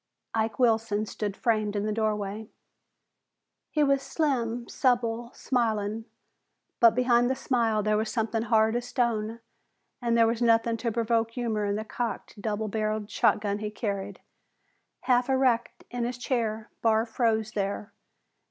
Ike Wilson stood framed in the doorway. He was slim, supple, smiling, but behind the smile there was something hard as stone and there was nothing to provoke humor in the cocked, double barreled shotgun he carried. Half erect in his chair, Barr froze there.